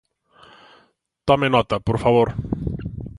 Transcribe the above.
Tome nota, por favor.